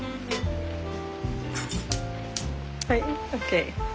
はいＯＫ。